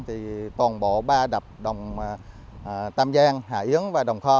thì toàn bộ ba đập đồng tam giang hà yến và đồng kho